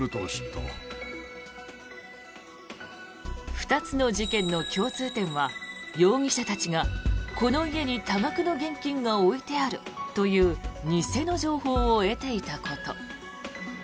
２つの事件の共通点は容疑者たちがこの家に多額の現金が置いてあるという偽の情報を得ていたこと。